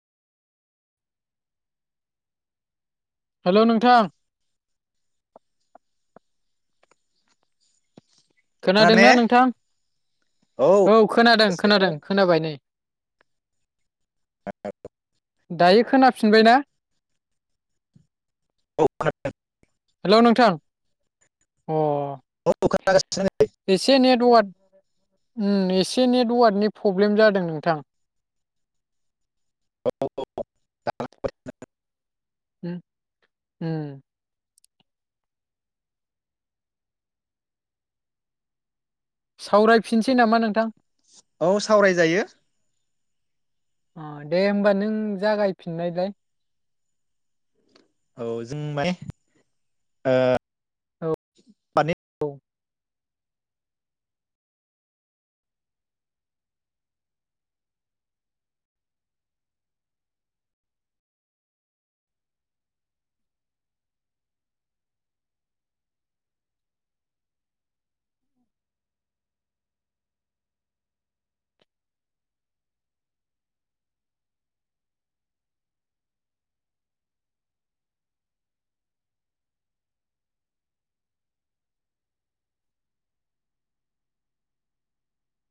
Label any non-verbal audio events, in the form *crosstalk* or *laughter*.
Hello नोंथां खोनादों खोनादोंना ने? नोंथां औ खोनादों खोनादों खोनाबाय नै आ *unintelligible* दायो खोनाफिनबाय ना औ हेलौ नोंथां अ *inaudible* एसे एनैआ दवाद उम एस बे नेटवादनि पब्लेम जादों नोंथां *unintelligible* उम हम सावरायफिनसै नामा नोंथां औ सावरायजायो अ दे होमबा नों जागायफिननायलाय औ जों माने ओ औ मानि